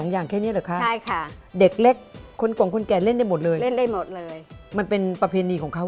ได้ค่ะแต่เล่นซาบ้าก่อนค่ะ